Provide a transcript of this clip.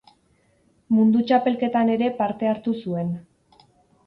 Mundu Txapelketan ere parte hartu zuen.